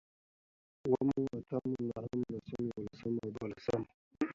اوومو، اتمو، نهمو، لسمو، يوولسمو، دوولسمو